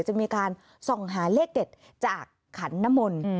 จะมีการส่องหาเลขเด็ดจากขันนมล